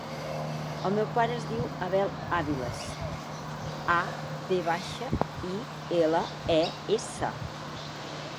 El meu pare es diu Abel Aviles: a, ve baixa, i, ela, e, essa.